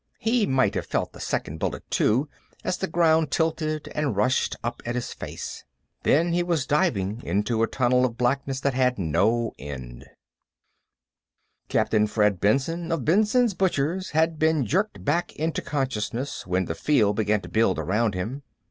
He might have felt the second bullet, too, as the ground tilted and rushed up at his face. Then he was diving into a tunnel of blackness that had no end.... Captain Fred Benson, of Benson's Butchers, had been jerked back into consciousness when the field began to build around him.